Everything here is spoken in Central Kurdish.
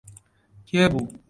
کێ بوو؟